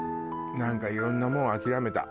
なんかいろんなものを諦めた。